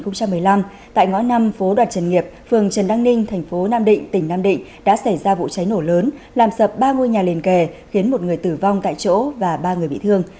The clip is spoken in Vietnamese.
năm hai nghìn một mươi năm tại ngõ năm phố đoạt trần nghiệp phường trần đăng ninh thành phố nam định tỉnh nam định đã xảy ra vụ cháy nổ lớn làm sập ba ngôi nhà liền kề khiến một người tử vong tại chỗ và ba người bị thương